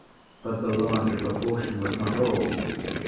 But the larger proportion was not all.